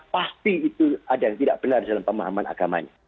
pasti itu ada yang tidak benar dalam pemahaman agamanya